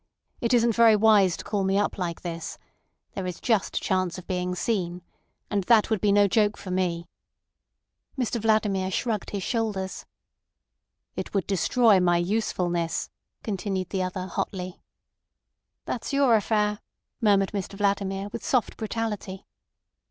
It isn't very wise to call me up like this. There is just a chance of being seen. And that would be no joke for me." Mr Vladimir shrugged his shoulders. "It would destroy my usefulness," continued the other hotly. "That's your affair," murmured Mr Vladimir, with soft brutality.